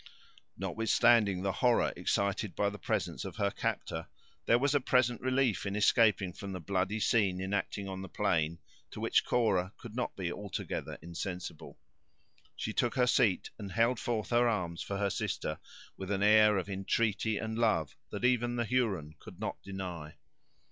Notwithstanding the horror excited by the presence of her captor, there was a present relief in escaping from the bloody scene enacting on the plain, to which Cora could not be altogether insensible. She took her seat, and held forth her arms for her sister, with an air of entreaty and love that even the Huron could not deny.